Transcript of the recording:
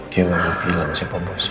dia ga mau bilang siapa bosnya